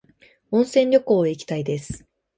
温泉旅行へ行きたいです。